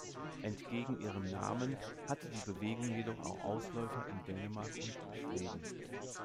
Entgegen ihrem Namen hatte die Bewegung jedoch auch Ausläufer in Dänemark und Schweden.